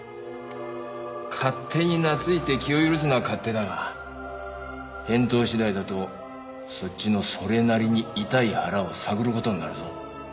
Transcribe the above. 勝手に懐いて気を許すのは勝手だが返答次第だとそっちのそれなりに痛い腹を探る事になるぞ。